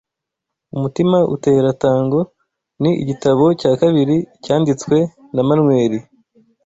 Umutima utera Tango" ni igitabo cya kabiri cyanditswe na manweri